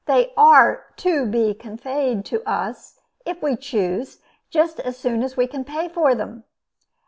They are to 'to be conveyed' to us if we choose just as soon as we can pay for them."